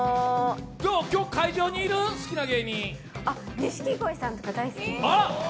錦鯉さんとか大好きです。